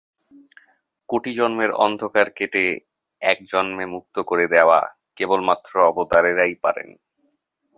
কোটি জন্মের অন্ধকার কেটে এক জন্মে মুক্ত করে দেওয়া কেবল মাত্র অবতারেরাই পারেন।